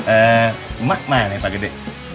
eh emak mana nih pak gede